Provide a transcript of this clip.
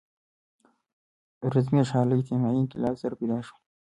رزمي اشعار له اجتماعي انقلاب سره پیدا شول.